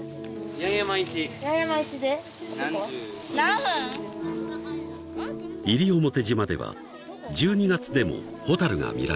［西表島では１２月でもホタルが見られる］